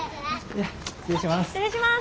じゃ失礼します。